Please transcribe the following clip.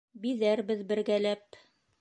Биҙәрбеҙ бергәләп.